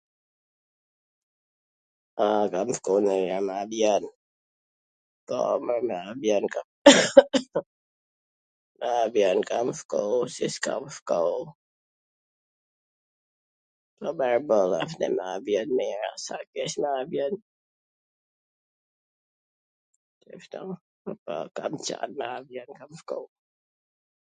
A kam shku nanjher n .... Kam shku, si s kam shku? Po mir boll asht, sa keq na vjen ...